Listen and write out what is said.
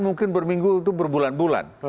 mungkin berminggu itu berbulan bulan